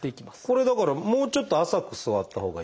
これだからもうちょっと浅く座ったほうがいい？